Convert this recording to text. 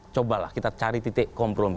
cobalah kita cari titik kompromi